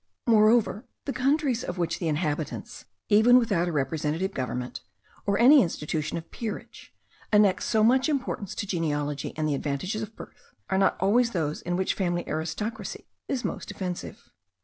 Moreover, the countries of which the inhabitants, even without a representative government, or any institution of peerage, annex so much importance to genealogy and the advantages of birth, are not always those in which family aristocracy is most offensive.